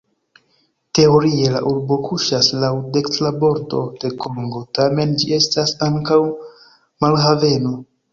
Teorie la urbo kuŝas laŭ dekstra bordo de Kongo, tamen ĝi estas ankaŭ marhaveno.